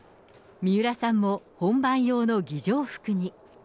三浦さんも本番用の儀じょう服に。